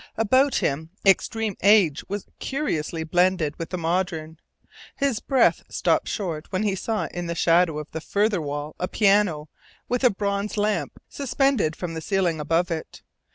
About him extreme age was curiously blended with the modern. His breath stopped short when he saw in the shadow of the farther wall a piano, with a bronze lamp suspended from the ceiling above it.